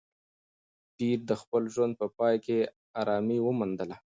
پییر د خپل ژوند په پای کې ارامي وموندله.